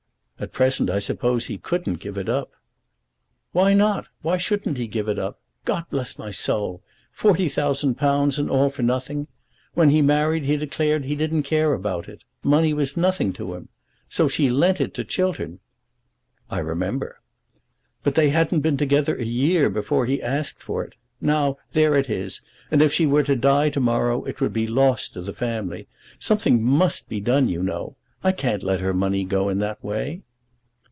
"At present I suppose he couldn't give it up." "Why not? Why shouldn't he give it up? God bless my soul! Forty thousand pounds and all for nothing. When he married he declared that he didn't care about it! Money was nothing to him! So she lent it to Chiltern." "I remember." "But they hadn't been together a year before he asked for it. Now there it is; and if she were to die to morrow it would be lost to the family. Something must be done, you know. I can't let her money go in that way."